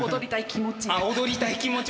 踊りたい気持ち。